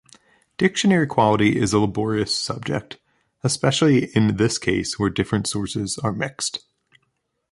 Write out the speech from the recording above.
Dictionary quality is a laborious subject, especially in this case where different sources are mixed.